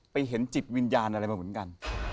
เห็นจิตวิญญาณอะไรมาเหมือนกัน